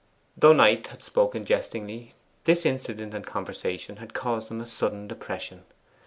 Though Knight had spoken jestingly, this incident and conversation had caused him a sudden depression.